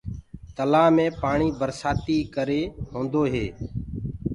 تلآه مي پآڻي برسآتي ڪري هوندو هي۔